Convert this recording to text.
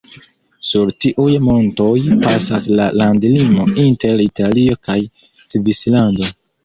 Sur tiuj montoj pasas la landlimo inter Italio kaj Svislando.